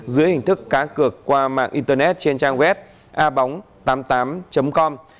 dưới hình thức cá rắc rực qua mạng internet trên trang web abong tám mươi tám com